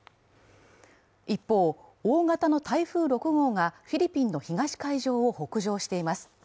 一方、大型の台風６号がフィリピンの東海上を北上しています。